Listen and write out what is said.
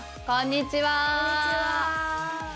こんにちは！